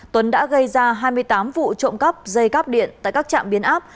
tuấn đã gây ra hai mươi tám vụ trộm cắp dây cắp điện tại các trạm biến áp